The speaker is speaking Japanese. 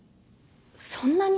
そんなに？